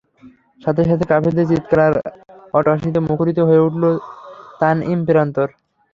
সাথে সাথে কাফেরদের চিৎকার আর অট্টহাসিতে মুখরিত হয়ে উঠল তানঈম প্রান্তর।